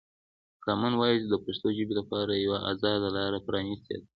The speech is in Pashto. کامن وایس د پښتو ژبې لپاره یوه ازاده لاره پرانیستې ده.